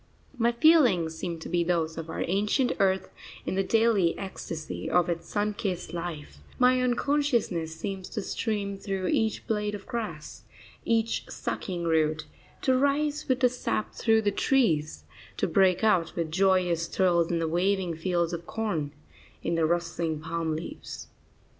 My feelings seem to be those of our ancient earth in the daily ecstasy of its sun kissed life; my own consciousness seems to stream through each blade of grass, each sucking root, to rise with the sap through the trees, to break out with joyous thrills in the waving fields of corn, in the rustling palm leaves.